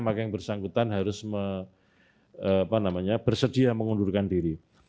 maka yang bersangkutan harus bersedia mengundurkan diri